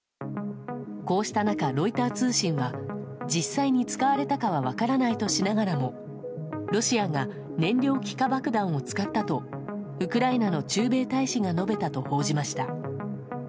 こうした中、ロイター通信は実際に使われたかは分からないとしながらもロシアが燃料気化爆弾を使ったとウクライナの駐米大使が述べたと報じました。